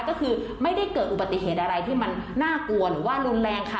ก็คือไม่ได้เกิดอุบัติเหตุอะไรที่มันน่ากลัวหรือว่ารุนแรงค่ะ